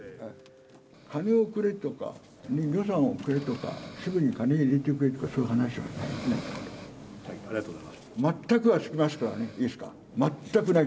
金をくれとか、予算をくれとか、すぐに金入れてくれとか、そういう話はない。